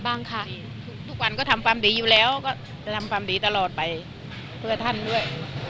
บ้างค่ะทุกวันก็ทำความดีอยู่แล้วก็จะทำความดีตลอดไปเพื่อท่านด้วย